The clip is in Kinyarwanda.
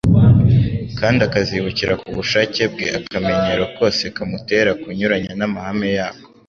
kandi akazibukira ku bushake bwe akamenyero kose kamutera kunyuranya n'amahame yako.